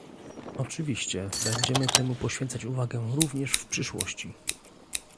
Oczywiście będziemy temu poświęcać uwagę również w przyszłości